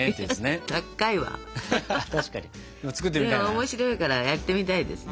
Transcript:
面白いからやってみたいですね。